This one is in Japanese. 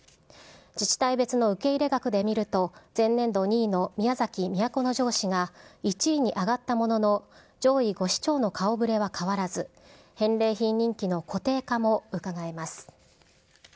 自治体別の受け入れ額で見ると前年度２位の宮崎・都城市が１位に上がったものの、上位５市町の顔ぶれは変わらず、返礼品人気の固定化もうかがえます。